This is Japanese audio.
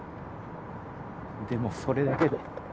でもそれだけで